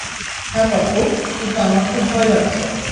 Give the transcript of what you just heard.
হ্যাঁ পাপ্পু, কিন্তু আমার খুব ভয় লাগছে।